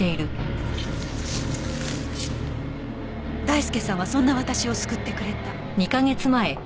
「大輔さんはそんな私を救ってくれた」